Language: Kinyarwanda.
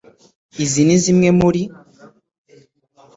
Izi ni zimwe muri